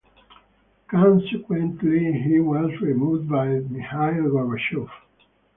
Consequently, he was removed by Mikhail Gorbachev.